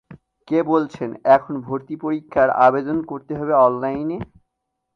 কে বলছেন এখন ভর্তি পরীক্ষার আবেদন করতে হবে অনলাইনে?